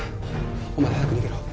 お前は早く逃げろ。